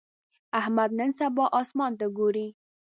احمد نن سبا اسمان ته ګوري.